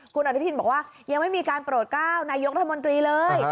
คุณอนุทินบอกว่ายังไม่มีการโปรดก้าวนายกรัฐมนตรีเลย